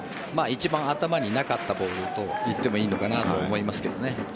一番頭になかったボールといってもいいのかなと思いますけどね。